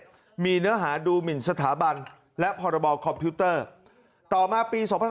ประเทศมีเนื้อหาดูหมิ่นสถาบันและคอมพิวเตอร์ต่อมาปีสองพัน